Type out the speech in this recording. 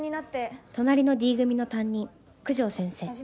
・隣のＤ組の担任九条先生